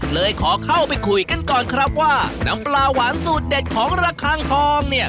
เลยขอเข้าไปคุยกันก่อนครับว่าน้ำปลาหวานสูตรเด็ดของระคังทองเนี่ย